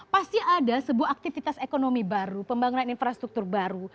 pasti ada sebuah aktivitas ekonomi baru pembangunan infrastruktur baru